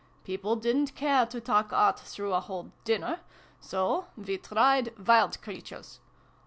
People didn't care to talk Art through a whole dinner ; so we tried Wild Creatures.